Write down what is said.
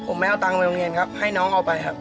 ผมไม่เอาตังค์ไปโรงเรียนครับให้น้องเอาไปครับ